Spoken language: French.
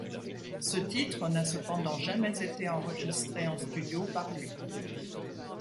Ce titre n’a cependant jamais été enregistré en studio par lui.